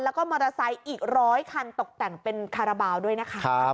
แล้วก็มอเตอร์ไซค์อีกร้อยคันตกแต่งเป็นคาราบาลด้วยนะคะ